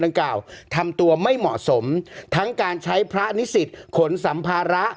ดังกล่าวทำตัวไม่เหมาะสมทั้งการใช้พระนิสิตขนสัมภาระ